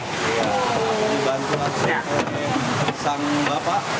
iya dibantu aslinya sang bapak